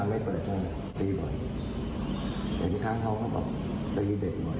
นี่มาไม่เปิดเลยเช่นเดี๋ยวเข้ามาไม่เปิดเลย